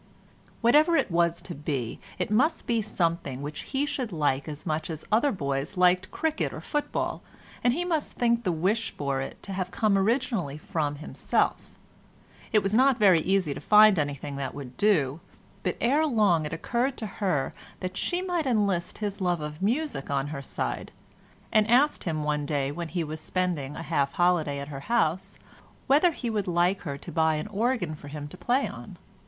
Whatever it was to be, it must be something which he should like as much as other boys liked cricket or football, and he must think the wish for it to have come originally from himself; it was not very easy to find anything that would do, but ere long it occurred to her that she might enlist his love of music on her side, and asked him one day when he was spending a half holiday at her house whether he would like her to buy an organ for him to play on.